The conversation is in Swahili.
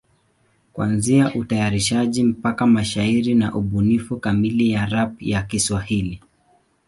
Kuanzia utayarishaji mpaka mashairi ni ubunifu kamili ya rap ya Kiswahili.